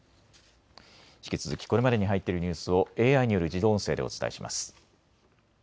引き続きこれまでに入っているニュースをＡＩによる自動音声でお伝えします。